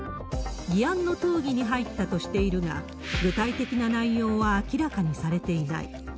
議案の討議に入ったとしているが、具体的な内容は明らかにされていない。